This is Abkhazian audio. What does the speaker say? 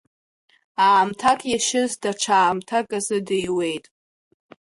Аамҭак иашьыз даҽа аамҭаказы диуеит.